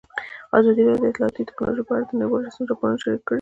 ازادي راډیو د اطلاعاتی تکنالوژي په اړه د نړیوالو رسنیو راپورونه شریک کړي.